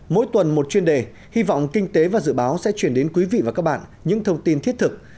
mỗi tuần một chuyên đề hy vọng kinh tế và dự báo sẽ chuyển đến quý vị và các bạn những thông tin thiết thực